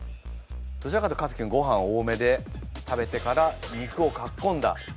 どちらかというとかつき君ごはん多めで食べてから肉をかっ込んだ。